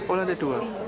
oh lantai dua